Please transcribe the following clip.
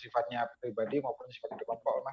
sifatnya pribadi maupun sifat hidupan